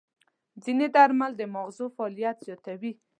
ځینې درمل د ماغزو فعالیت زیاتوي.